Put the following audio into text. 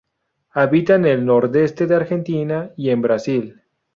Habita en el nordeste de Argentina y en Brasil.